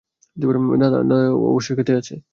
দাদা অবশ্যই ক্ষেতে আছে।